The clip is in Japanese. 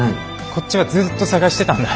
こっちはずっと捜してたんだ。